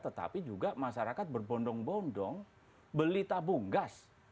tetapi juga masyarakat berbondong bondong beli tabung gas